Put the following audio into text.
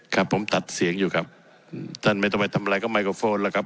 ครับผมตัดเสียงอยู่ครับท่านไม่ต้องไปทำอะไรก็ไมโครโฟนแล้วครับ